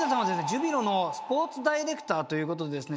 ジュビロのスポーツダイレクターということでですね